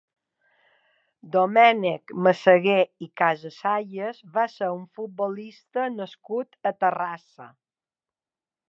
Domènec Massagué i Casasayas va ser un futbolista nascut a Terrassa.